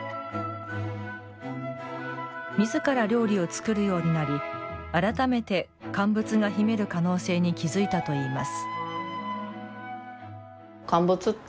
みずから料理を作るようになり改めて「乾物が秘める可能性」に気付いたといいます。